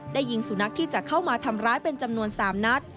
ยิงสุนัขที่จะเข้ามาทำร้ายเป็นจำนวน๓นัด